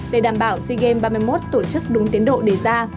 để đảm bảo sigems ba mươi một tổ chức đúng tiến độ đề ra